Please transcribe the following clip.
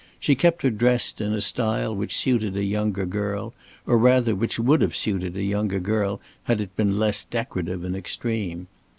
She kept her dressed in a style which suited a younger girl, or rather, which would have suited a younger girl had it been less decorative and extreme.